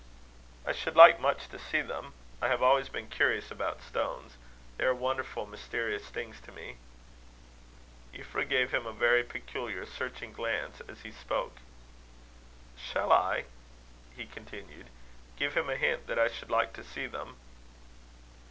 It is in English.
"I should like much to see them. I have always been curious about stones. They are wonderful, mysterious things to me." Euphra gave him a very peculiar, searching glance, as he spoke. "Shall I," he continued, "give him a hint that I should like to see them?"